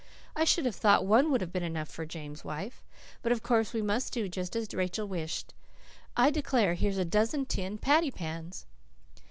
I should have thought one would have been enough for James' wife. But of course we must do just as Rachel wished. I declare, here's a dozen tin patty pans!"